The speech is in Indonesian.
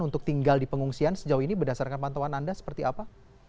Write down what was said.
untuk tinggal di pengungsian sejauh ini berdasarkan pantauan anda seperti apa